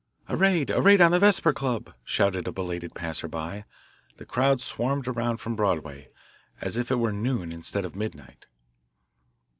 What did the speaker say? "A raid! A raid on the Vesper Club!" shouted a belated passer by. The crowd swarmed around from Broadway, as if it were noon instead of midnight.